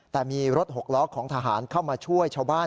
แต่มีรถหกล้อของทหารเข้ามาช่วยชาวบ้าน